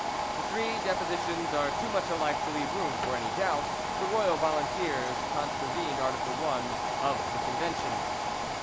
The three depositions are too much alike to leave room for any doubt. The royal volunteers contravened Article I of the convention.